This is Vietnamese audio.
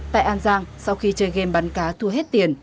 tại an giang sau khi chơi game bắn cá thua hết tiền